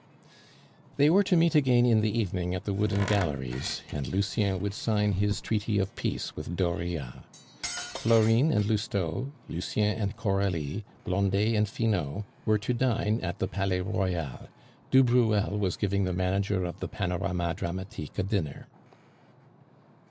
They were to meet again in the evening at the Wooden Galleries, and Lucien would sign his treaty of peace with Dauriat. Florine and Lousteau, Lucien and Coralie, Blondet and Finot, were to dine at the Palais Royal; du Bruel was giving the manager of the Panorama Dramatique a dinner.